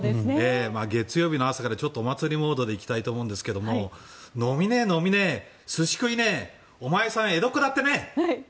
月曜日の朝からお祭りモードで行きたいと思うんですが飲みねえ、飲みねえ寿司食いねえお前さん、江戸っ子だってね！